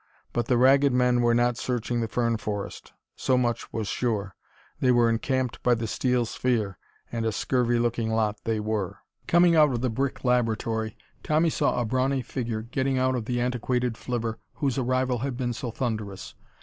But the Ragged Men were not searching the fern forest. So much was sure. They were encamped by the steel sphere, and a scurvy looking lot they were. Coming out of the brick laboratory, Tommy saw a brawny figure getting out of the antiquated flivver whose arrival had been so thunderous.